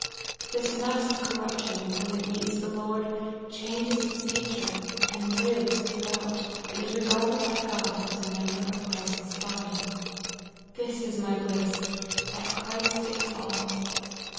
This mass of corruption, when it meets the Lord, changes its nature, and lives throughout, and is regarded by God as a member of Christ's body. This is my bliss, that Christ is all.